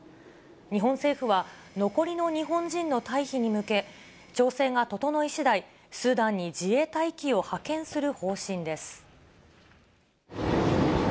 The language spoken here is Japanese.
日本政府は、残りの日本人の退避に向け、調整が整いしだい、スーダンに自衛隊機を派遣する方針です。